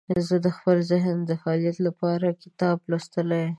زه د خپل ذهن د فعالیت لپاره کتاب لوستلی یم.